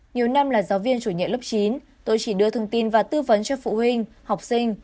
nhiều năm là giáo viên chủ nhiệm lớp chín tôi chỉ đưa thông tin và tư vấn cho phụ huynh học sinh